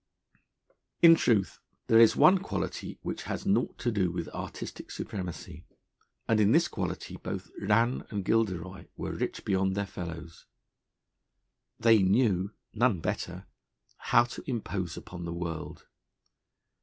In truth, there is one quality which has naught to do with artistic supremacy; and in this quality both Rann and Gilderoy were rich beyond their fellows. They knew (none better) how to impose upon the world.